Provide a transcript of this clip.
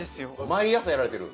毎朝やられてる？